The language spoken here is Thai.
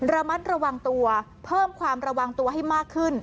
ระมัดระวังตัวเพิ่มความระวังตัวให้มากขึ้น